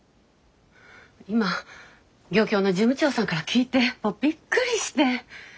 今漁協の事務長さんから聞いてもうびっくりして。